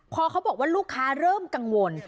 พอเขาบอกว่าลูกค้าเริ่มกังวล